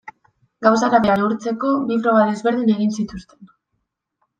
Gauza bera neurtzeko bi proba desberdin egin zituzten.